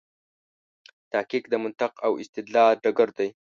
تحقیق د منطق او استدلال ډګر دی.